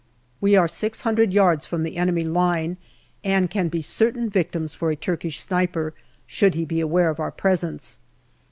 We are six hundred yards from the enemy line, and can be certain victims for a Turkish sniper should he be aware of our presence.